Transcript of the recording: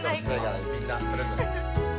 みんなそれぞれ。